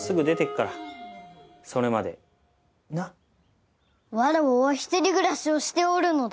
わらわは１人暮らしをしておるのだ。